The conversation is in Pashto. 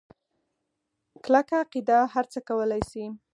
کلکه عقیده هرڅه کولی شي.